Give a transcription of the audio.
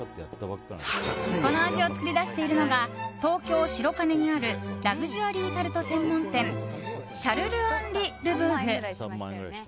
この味を作り出しているのが東京・白金にあるラグジュアリータルト専門店シャルルアンリ・ルブーグ。